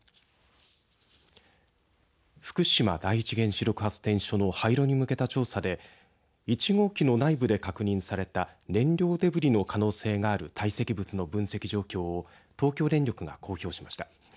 福島第一原子力発電所の廃炉に向けた調査で１号機の内部で確認された燃料デブリの可能性がある堆積物の分析状況を東京電力が公表しました。